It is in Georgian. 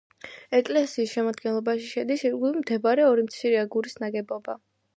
ეკლესიის შემადგენლობაში შედის ირგვლივ მდებარე ორი მცირე აგურის ნაგებობა.